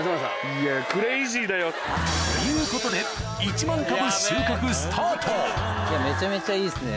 いやクレイジーだよ。ということで１万株めちゃめちゃいいですね。